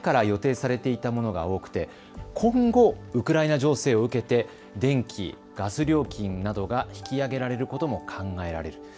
今回、侵攻前から予定されていたものが多くて今後、ウクライナ情勢を受けて電気、ガス料金などが引き上げられることも考えられる。